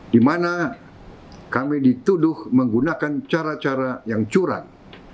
di mana kami dituduh menggunakan cara cara yang curang